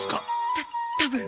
たたぶん。